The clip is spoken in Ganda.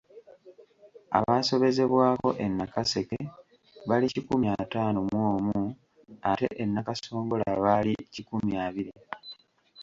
Abaasobezebwako e Nakaseke bali kikumi ataano mu omu ate e Nakasongola baali kikumi abiri.